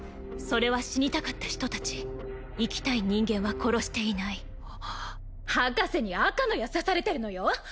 それは死にたかった人達生きたい人間は殺していない博士に赤の矢刺されてるのよ